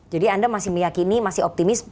jadi anda masih meyakini masih optimis